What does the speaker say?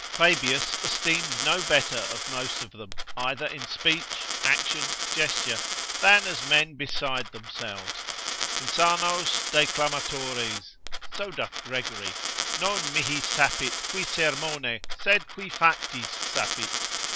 Fabius esteems no better of most of them, either in speech, action, gesture, than as men beside themselves, insanos declamatores; so doth Gregory, Non mihi sapit qui sermone, sed qui factis sapit.